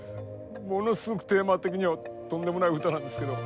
ものすごくテーマ的にはとんでもない歌なんですけど。